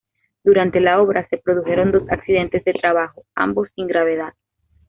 Durante la obra, se produjeron dos accidentes de trabajo, ambos sin gravedad.